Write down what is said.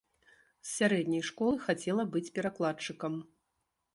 З сярэдняй школы хацела быць перакладчыкам.